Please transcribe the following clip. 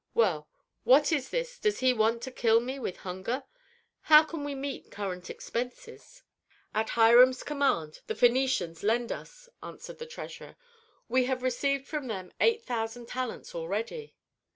Well, what is this; does he want to kill me with hunger? How can we meet current expenses?" "At Hiram's command the Phœnicians lend us," answered the treasurer. "We have received from them eight thousand talents already."